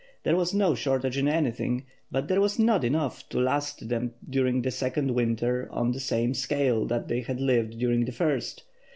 There was no shortage in anything, but there was not enough to last them during a second winter on the same scale that they had lived during the first.